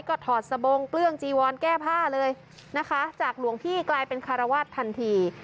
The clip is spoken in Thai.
ก็ถอดสบงเกลื้องจีวอนแก้ผ้าเลยนะคะจากหลวงพี่กลายเป็นคารวาสทันที